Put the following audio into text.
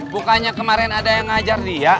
bukannya kemarin ada yang ngajar dia